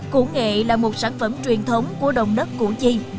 củ nghệ là một sản phẩm truyền thống của đồng đất củ chi